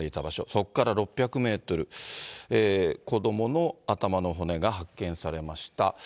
そこから６００メートル、子どもの頭の骨が発見されました。